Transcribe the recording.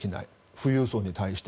富裕層に対して。